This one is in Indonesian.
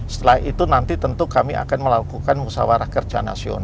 setelah itu nanti tentu kami akan melakukan musawarah kerjaan yang lain